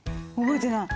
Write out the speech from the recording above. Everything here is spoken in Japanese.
覚えてない。